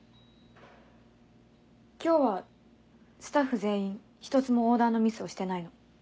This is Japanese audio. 今日はスタッフ全員１つもオーダーのミスをしてないの。